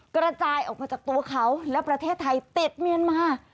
กระจายออกมาจากตัวเขาและประเทศไทยติดเมียนมา